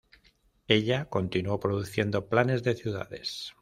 Ella continuó produciendo planes de ciudades.